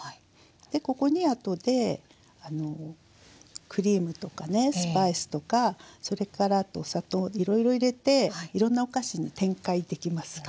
でここにあとでクリームとかねスパイスとかそれからあとお砂糖いろいろ入れていろんなお菓子に展開できますから。